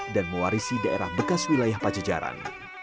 dan mewarisi daerah bekas wilayah pajajaran